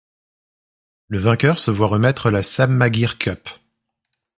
Le vainqueur se voit remettre la Sam Maguire Cup.